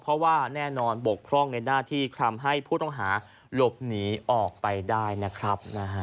เพราะว่าแน่นอนบกพร่องในหน้าที่ทำให้ผู้ต้องหาหลบหนีออกไปได้นะครับ